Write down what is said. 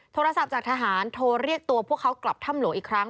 โทรศัพท์จากทหารโทรเรียกตัวพวกเขากลับถ้ำหลวงอีกครั้ง